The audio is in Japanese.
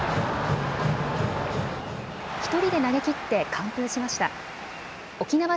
１人で投げきって完封しました。